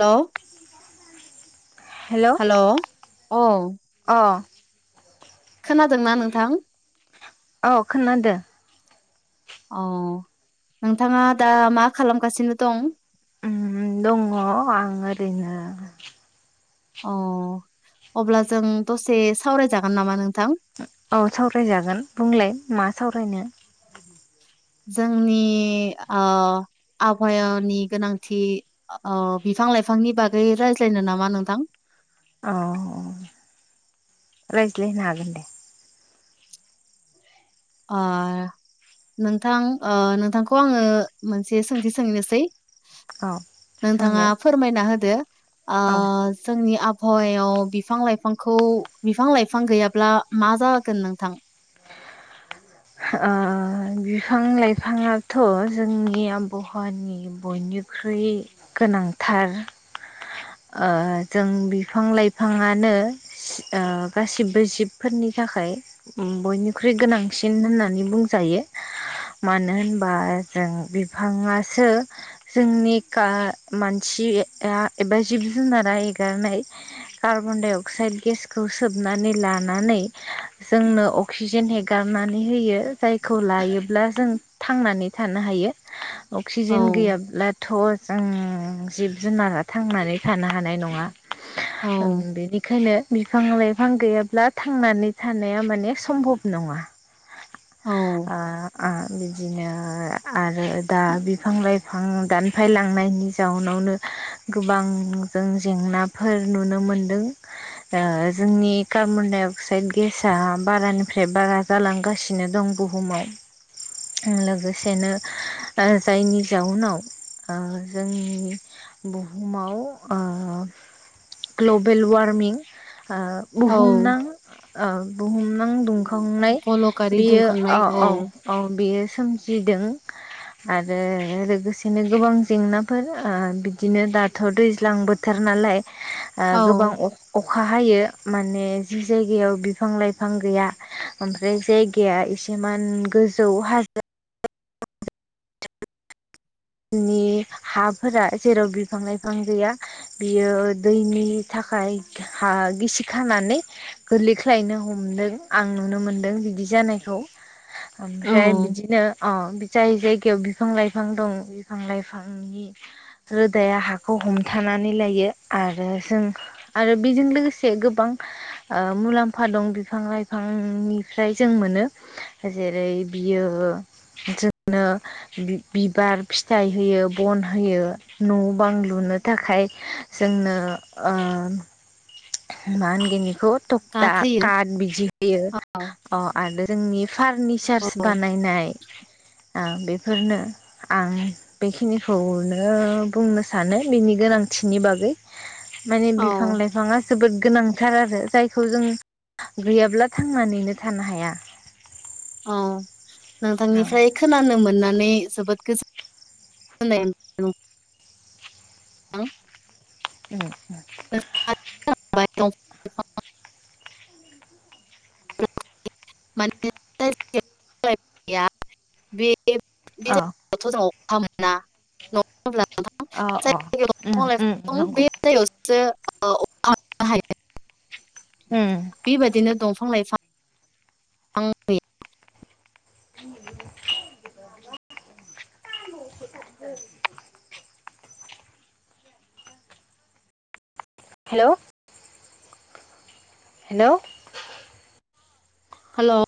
हलौ हेलौ औ अ खोनादोंना नोंथां? औ खोनादों अ नोंथांङा दा मा खालामगासिनो दं? दंङो आं ओरैनो अ अब्ला जों दसे सावरायजागोन नामा नोंथां? औ सावरायजागोन बुंलाय मा सावरायनो? जोंनि आबहावानि गोनांथि अ बिफां लाइफांनि बागै रायज्लायनो नामा नोंथां? रायजलाय हागोन दे। आ नोंथां नोंथांखौ आंङो मोनसे सोंथि सोंनोसै औ नोंथांङा सोंलाय फोरमायना होदो औ जोंनि आबा हावायाव बिफां-लाइफांखौ बिफां लाइफां गैयाब्ला मा जागोन नोंथां? आ बिफां लाइफांङाथ जोंनि आबहावानि बयनि ख्रुय गोनांथार। जों बिफां - लाइफांङानो गासिबो जिबफोरनि थाखाय बयनिख्रुइ गोनांसिन सिन होननानै बुंजायो मानो होनबा जों बिफांङासो जोंनि मानसि एबा जिब जुनारा एगारनाय कार्बन डाइ अक्साइद गेसखौ सोबनाय सोबनानै लानानै जोंनो अक्जिजेन हगार खालामनानै होयो जायखौ लायोब्ला जों थांनानै थानो हायो । अक्सिजेन औ गैयाब्लाथ' जों जिब जुनारा थांनानै थानो हानाय नङा। औ बेनिखायनो बिफां लाइफां गैयाब्ला थांनानै थानाया माने सम्भब नङा। औ आ आ बिदिनो आरो दा बिफां लाइफां दानफायलांनायनि जाउनाव गोबां जों जेंनाफोर नुनो मोनदों ओ जोंनि कार्बन डाइ अक्साइद गेस बारानिफ्राय बारा जालांगासिनो दं बुहुमाव लोगोसेनो जायनि जाउनाव जोंनि बुहुमाव ओ ग्ल'बेल वारमिं आ औ बुहुमनां आ बुहुमनां दुंखांनाय गल'कारि बेयो दुंखांनाय औ औ औ बेयो सोमजिदों आरो लोगोसेनो गोबां जेंनाफोर बिदिनो दाथ' दैज्लां बोथोर नालाय आ औ गोबां अ अ खा हायो माने जि जायगायाव बिफां लाइफां गैया बे जायगाया एसेमान गोजौ हाजो नि हाफोरा जेराव बिफां लाइफां गैया बियो दैनि था खाय हा गिसि खानानै गोलैख्लायनो हमदों आं नुनो मोनदों बिदि जानायखौ औ ओमफ्राय बिदिनो अ जाय जायगायाव बिफां लाइफां दं बिफां लाइफांनि रोदाया हाखौ हमथानानै लायो आरो जों आरो बेजों लोगोसे गोबां मुलाम्फा दं बिफां लाइफांनिफ्राय जों मोनो जेरै बियो जोंनो बिबार फिथाइ होयो बन होयो न' बां लुनो थाखाय जोंनो ओ आ मा होनगोननिखौ थकथा गाथोयो काट बिदि होयो अ आरो जोंनि फारनिचार्स बानायनाय बेफोरनो आं बेखिनिखौनो बुंनो सानो बिनि गोनांथि नि बागै माने बिफां औ लाइफाङा जोबोद गोनांथार आरो जायखौ जों गैयाब्ला थांनानैनो थानो हाया। औ औ नोंथांनिफ्राय खोनानो मोननानै जोबोद गोजोननाय [unintelligible] थां [inaudible] [unintelligible] [unintelligible] [unintelligible] बेथ' जों अखा मोना अ न' [unintelligible] जायाव अ द अ उम बे उम नंगौ जायायावसो [unintelligible] थ उम बिदिनो दंफां लाइफां [unintelligible] आं [unintelligible] [inaudible] हेल' हेल'। हेल'।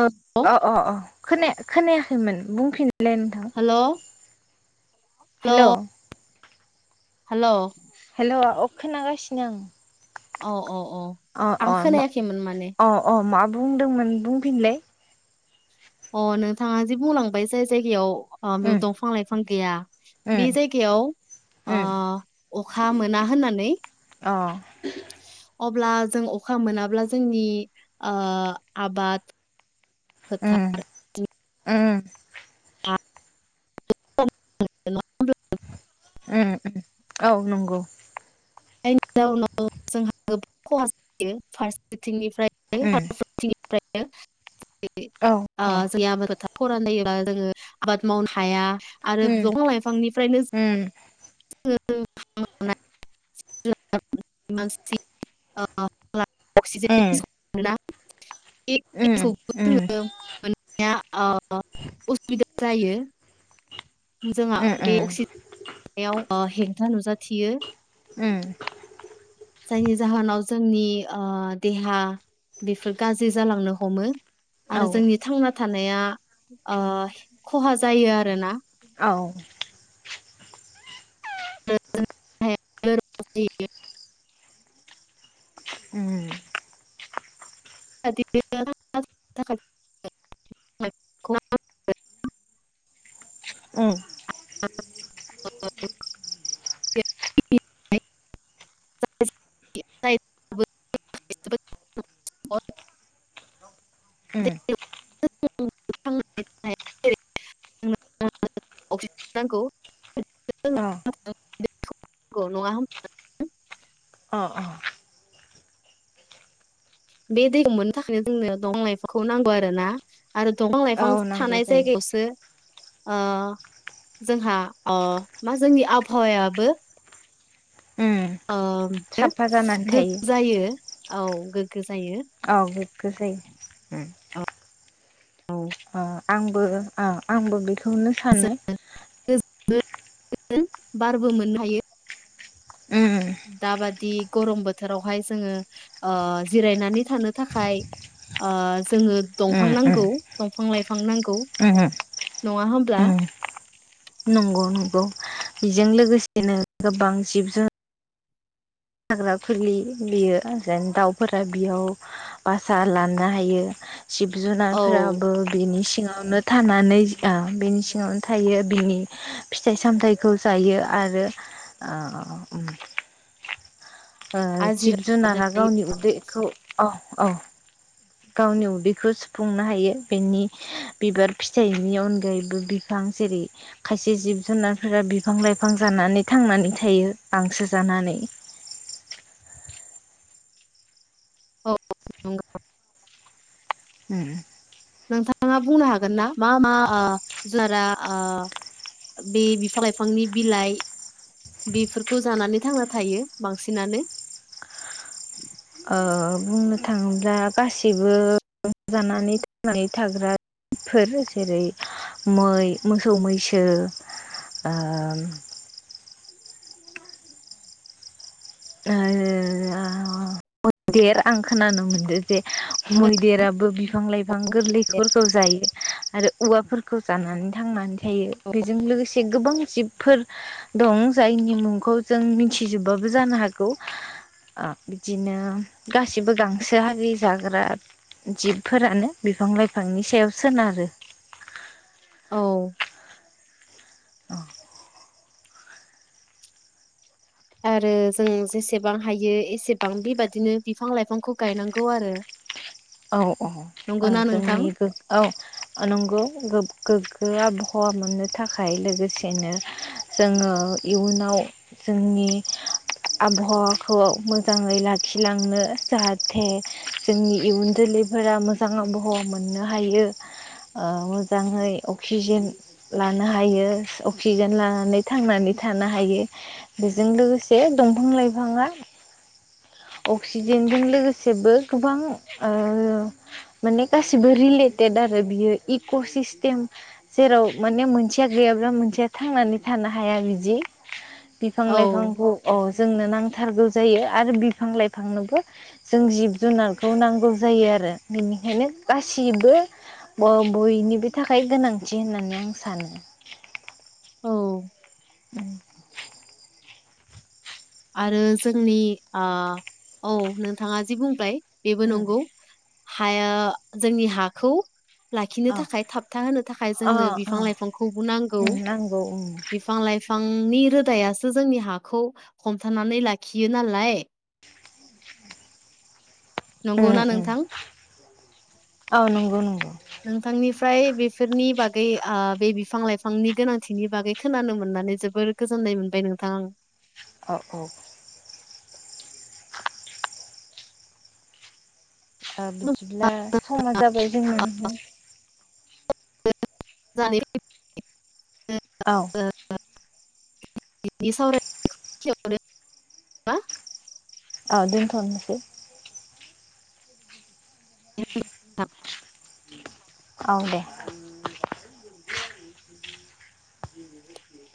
औ अ अ खोना खोनायाखैमोन बुंफिनलै नोंथां। हेल' हेल'। हेल'। हेल' अ खोनागासिनो औ औ औ आं अ अ खोनायाखैमोन माने अ अ मा? बुंदोंमोन बुंफिनलै अ नोंथाङा जे बुंलांबाय जाय जायगायाव अ उम बेयाव दंफां लाइफां गैया उम बे जायगायाव अ उम अखा मोना होननानै [inaudible] अब्ला जों अखा मोनाब्ला जोंनि ओ आबाद ओ फोथार ओ। [inaudible] [unintelligible] औ नंगौ। जायनि जाउनाव जोंहा गोबां खहा जायो। फारसेथिंनिफ्राय उम औ औ [unintelligible] खरान जायोबा जोङो आबाद मावनो हाया आरो उम बिफां लाइफांनिफ्रायनो उम [unintelligible] उम [unintelligible] उम उम [unintelligible] जायो। जोंहा बे उम अक्सिजेनाव हेंथा नुजाथियो। उम जायनि जाहोनाव जोंनि देहा बेफोर गाज्रि जालांनो हमो। आरो औ जोंनि थांना थानाया खहा जायो आरोना। औ। [unintelligible] उ। [unintelligible] [inaudible] औ। [unintelligible] [unintelligible] [unintelligible] ओ। [unintelligible] अक्सिजेन [unintelligible] नांगौ अ [unintelligible] अ अ बे दैखौ मोननो थाखायनो जोंनो दंफां लाइफांफोरखौ नांगौ आरोना। आरो दंफां-लाइफां औ नांगौ थानाय जायो जायगायावसो ओ जोंहा मा जोंनि आबहावायाबो उम ओ साफा जानानै गोग्गो थायो जायो औ गोग्गो जायो औ गोग्गो जायो। औ अ आंबो आंबो बेखौनो सानो। जों बारबो मोननो हायो। उम दाबादि गरम बोथोरावहाय जोङो जिरायनानै थानो थाखाय ओ जोङो दंफां उम नांगौ दंफां-लाइफां नांगौ उम उम नङा होमब्ला? उम नंगौ नंगौ बेजों लोगोसेनो गोबां जिब जुनार हाग्रा फुलि बियो दाउफोरा बेयाव बासा लानो हायो। जिब औ जुनारफोराबो बिनि सिङाव नो थानानै बिनि सिङावनो थायो बिनि फिथाइ सामथाइखौ जायो आरो। ओ आजिरा जिब जुनारा गावनि उदैखौ औ औ गावनि उदैखौ सुफुंनो हायो बेनि बिबार फिथाइनि अनगायैबो बिफां बां जेरै खायसे जिब जुनारफोरा बिफां लाइफां जानानै थांनानै थायो गांसो जानानै औ नंगौ ओम नोंथाङा बुंनो हागोन ना मा मा ओ जुनारा ओ बे बिफां लाइफांनि बिलाइ बेफोरखौ जानानै थांना थायो बांसिनानो ओ बुंनो थाङोब्ला गासिबो जानानै थांनानै थाग्रा फोर जेरै मै मोसौ मैसो आ ओ मैदेर आं खोनानो मोनदों जे मैदेराबो बिफां लाइफां गोरलैफोरखौ जायो। आरो औवाफोरखौ जानानै थांनानै थायो बेजों लोगोसे गोबां जिब फोर दं जायनि मुंखौ जों मिथिजोबबाबो जानो हागौ। आ बिदिनो गासिबो गांसो हारि जाग्रा जिबफोरानो बिफां लाइफांनि सायाव सोनारो। औ औ आरो जों जेसेबां हायो एसेबां बेबादिनो बिफां लाइफांखौ गायनांगौ आरो। औ औ नंगौना नोंथां जोंनि औ नंगौ गोग्गो आबहावा मोननो थाखाय लोगोसेनो जोङो इयुनाव जोंनि आबहावाखौ मोजाङै लाखिलांनो जाहाथे जोंनि इयुन जोलैफोरा मोजां आबहावा मोननो हायो। ओ मोजाङै अक्सिजेन लानो हायो अक्सिजेन लानानै थांनानै थानो हायो बेजों लोगोसे दंफां लाइफाङा [inaudible] अक्सिजेनजों लोगोसेबो गोबां माने गासिबो रिलेटेद आरो बियो इक' सिस्टेम जेराव माने मोनसेया गै गैयाब्ला मोनसे थांनानै थानो हाया बिदि बिफां औ लाइफांखौ औ जोंनो नांथारगौ जायो आरो। बिफां लाइफांनोबो जों जिब जुनारखौ नांगौ जायो आरो बेनिखायनो गासिबो बयनिबो थाखाय गोनांथि होननानै आं सानो। औ उ [unintelligible] आरो जोंनि आ औ नोंथाङा जि बुंबाय बेबो उम नंगौ हाया जोंनि हाखौ लाखिनो औ थाखाय थाबथा होनो थाखाय अ जोंनो बिफां अ लाइफांखौबो नांगौ। नांगौ बिफां लाइफांनि रोदायासो जोंनि हाखौ हमथानानै लाखियो नालाय। नंगौना नोंथां औ नंगौ नंगौ ओमफ्राय बेफोरनि बागै ओ बे बिफां लाइफांनि गोनांथिनि बागै खोनानो मोननानै जोबोर गोजोन नै मोनबाय नोंथां औ औ ओ आं बिदिब्ला समा जाबाय जोंन [unintelligible] जानाय [unintelligible] औ [unintelligible] सावराय [unintelligible] औ दोनथ'नोसै [unintelligible] औ दे [inaudible]